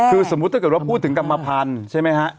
คือสมมุติถ้าเกิดว่าพูดถึงกรรมพันธุ์ใช่ไหมฮะ